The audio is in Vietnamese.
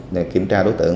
để kiểm tra đối tượng